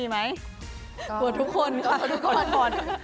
กลัวทุกคน